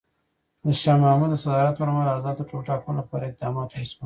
د شاه محمود د صدارت پر مهال ازادو ټولټاکنو لپاره اقدامات وشول.